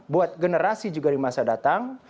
buat generasi juga di masa datang